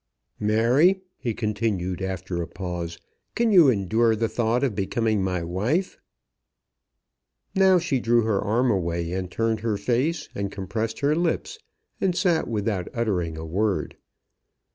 "Mary," he continued after a pause, "can you endure the thought of becoming my wife?" Now she drew her arm away, and turned her face, and compressed her lips, and sat without uttering a word.